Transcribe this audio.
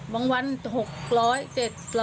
บางวัน๖๐๐๗๐๐บาท